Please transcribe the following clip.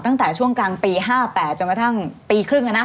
ตั้งแต่ช่วงกลางปี๕๘จนกระทั่งปีครึ่งนะ